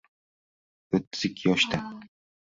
O’ttiz ikki yoshda